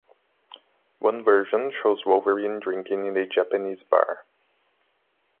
One version shows Wolverine drinking in a Japanese bar.